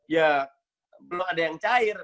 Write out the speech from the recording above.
ya belum ada yang cair